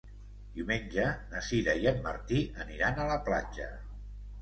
Diumenge na Sira i en Martí aniran a la platja.